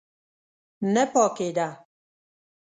نه پاکېده.